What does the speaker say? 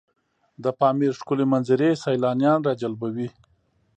د پامیر ښکلي منظرې سیلانیان راجلبوي.